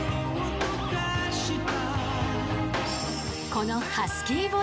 ［この］